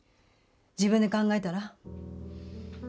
自分で考えたら？